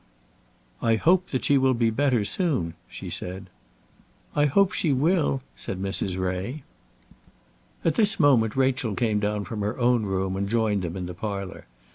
"I hope that she will be better soon," she said. "I hope she will," said Mrs. Ray. At this moment Rachel came down from her own room and joined them in the parlour.